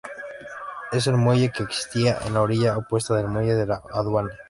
Es el muelle que existía en la orilla opuesta del muelle de la Aduana.